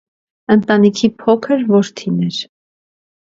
Ընտանիքի փոքր որդին էր։